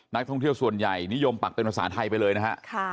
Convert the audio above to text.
นักท่องเที่ยวส่วนใหญ่นิยมปักเป็นภาษาไทยไปเลยนะฮะ